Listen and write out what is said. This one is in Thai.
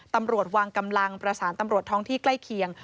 ตำรวจวางกำลังประสานตำรวจท้องที่ใกล้เคียง